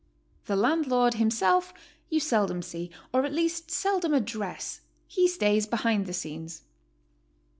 The landlord himself you seldom see, or at least seldom address; he stays behind the scenes.